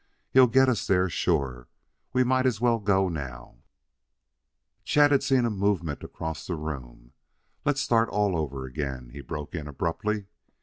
He'll get us there, sure. We might as well go now." Chet had seen a movement across the room. "Let's start all over again," he broke in abruptly.